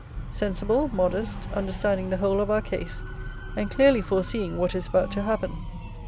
Sensible, modest, understanding the whole of our case, and clearly foreseeing what is about to happen.